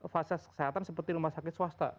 fasilitas kesehatan seperti rumah sakit swasta